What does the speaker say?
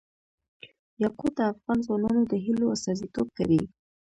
یاقوت د افغان ځوانانو د هیلو استازیتوب کوي.